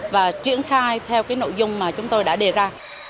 và triển khai theo cái nội dung mà chúng tôi đã đề ra